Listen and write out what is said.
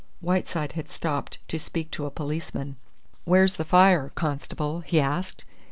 Whiteside had stopped to speak to a policeman. "Where's the fire, constable?" he asked.